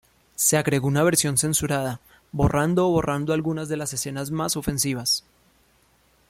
Se agregó una versión censurada, borrando o borrando algunas de las escenas más ofensivas.